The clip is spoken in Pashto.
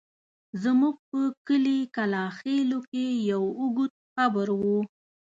زموږ په کلي کلاخېلو کې يو اوږد قبر و.